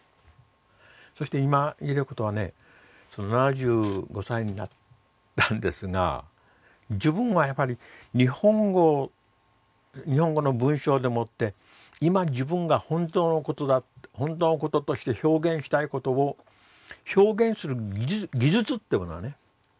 そして今言えることはね７５歳になったんですが自分はやっぱり日本語日本語の文章でもって今自分が本当のこととして表現したいことを表現する技術っていうものはね